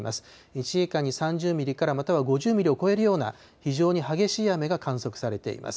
１時間に３０ミリからまたは５０ミリを超えるような非常に激しい雨が観測されています。